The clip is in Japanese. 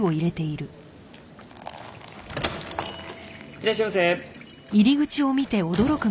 いらっしゃいませ。